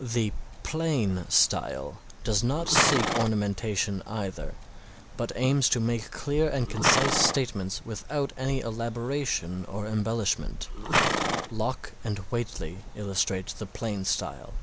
The plain style does not seek ornamentation either, but aims to make clear and concise statements without any elaboration or embellishment. Locke and Whately illustrate the plain style.